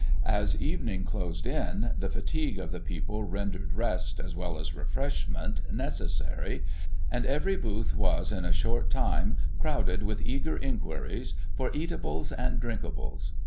As evening closed in, the fatigue of the people rendered rest, as well as refreshment, necessary, and every booth was, in a short time, crowded with eager inquiries for eatables and drinkables.